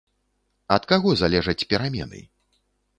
Ад каго залежаць перамены?